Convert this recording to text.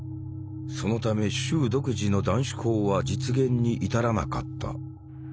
そのため州独自の断種法は実現に至らなかった。